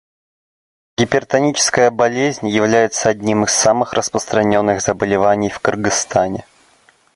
Гипертоническая болезнь является одним из самых распространенных заболеваний в Кыргызстане.